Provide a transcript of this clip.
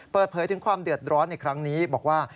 เปิดเผยถึงความเดือดร้อนในครั้งนี้บอกว่า